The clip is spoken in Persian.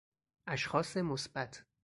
اشخاص مثبت